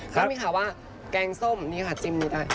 เขามีข่าวว่าแกงส้มนี่ค่ะจิ้มนี้ได้